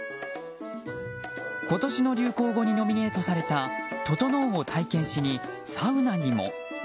今年の流行語にノミネートされた「ととのう」を体験しにサウナにも。